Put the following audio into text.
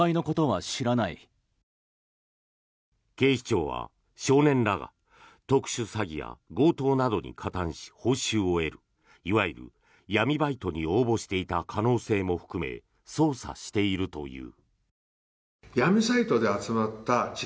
警視庁は少年らが、特殊詐欺や強盗などに加担し報酬を得るいわゆる闇バイトに応募していた可能性も含め捜査しているという。